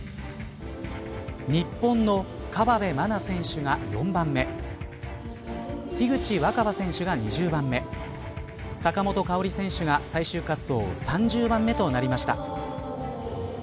日本の河辺愛菜選手が４番目樋口新葉選手が２０番目坂本花織選手が最終滑走３０番目となりました。